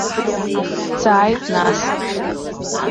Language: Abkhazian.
Дҵааит нас.